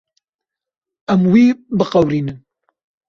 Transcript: Em wî biqewirînin.